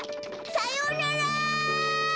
さようなら！